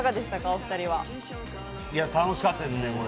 楽しかったですね。